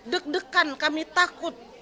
deg degan kami takut